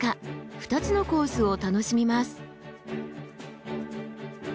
２つのコースを楽しみます。